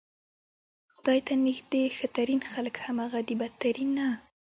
خدای ته نږدې بدترین خلک همغه دي.